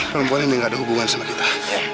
perempuan ini gak ada hubungan sama kita